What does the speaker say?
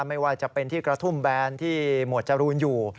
ไม่ว่าจะเป็นที่กระทุ่มแบนที่หมวดจรูนอยู่